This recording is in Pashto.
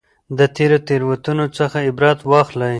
د تېرو تېروتنو څخه عبرت واخلئ.